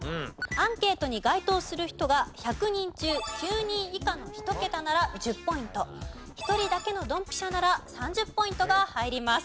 アンケートに該当する人が１００人中９人以下の１ケタなら１０ポイント１人だけのドンピシャなら３０ポイントが入ります。